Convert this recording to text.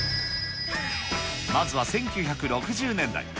まずは１９６０年代。